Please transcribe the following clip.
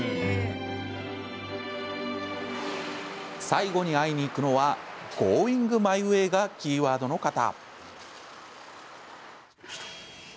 最後に会いに行くのはゴーイングマイウェイがキーワードの方。